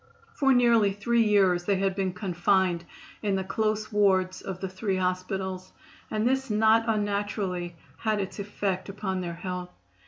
For nearly three years they had been confined in the close wards of the three hospitals, and this not unnaturally had its effect upon their health.